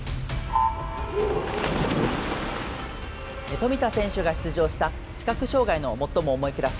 富田選手が出場した視覚障がいの最も重いクラス。